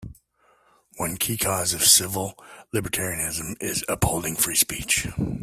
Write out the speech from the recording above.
One key cause of civil libertarianism is upholding free speech.